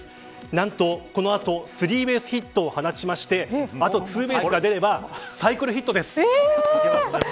なんと、この後スリーベースヒットを放ちましてあとツーベースが出ればサイクルヒットです。